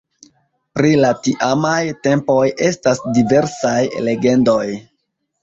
Pri la tiamaj tempoj estas diversaj legendoj.